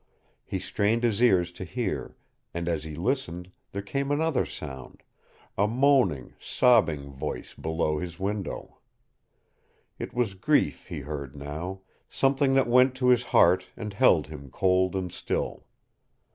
He strained his ears to hear, and as he listened, there came another sound a moaning, sobbing voice below his window! It was grief he heard now, something that went to his heart and held him cold and still.